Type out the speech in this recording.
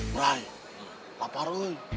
hai rai lapar